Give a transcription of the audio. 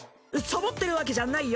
サボってるわけじゃないよ。